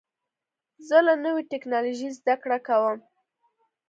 زه له نوې ټکنالوژۍ زده کړه کوم.